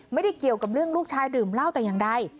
ไม่ได้เกี่ยวกับเรื่องลูกชายดื่มเหล้าแต่อย่างใด